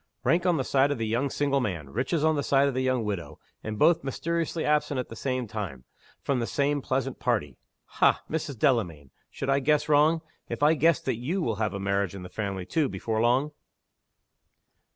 Rank on the side of the young single man; riches on the side of the young widow. And both mysteriously absent at the same time, from the same pleasant party. Ha, Mrs. Delamayn! should I guess wrong, if I guessed that you will have a marriage in the family, too, before long?"